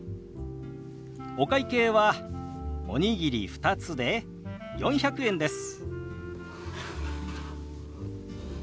お会計はおにぎり２つで４００円です。